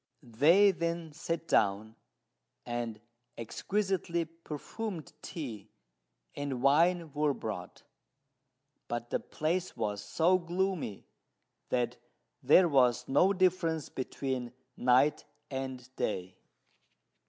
They then sat down, and exquisitely perfumed tea and wine were brought; but the place was so gloomy that there was no difference between night and day.